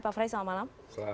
pak ferry selamat malam